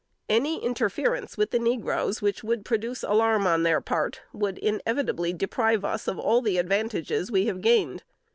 Any interference with the negroes which would produce alarm on their part would inevitably deprive us of all the advantages we have gained.